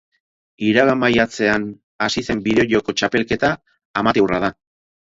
Iragan maiatzean hasi zen bideo-joko txapelketa amateurra da.